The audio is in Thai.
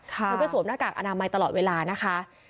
เธอก็สวมหน้ากากอนามัยตลอดเวลานะคะ